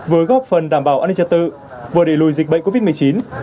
với góp phần đảm bảo an ninh trật tự vừa để lùi dịch bệnh covid một mươi chín trong thời gian tới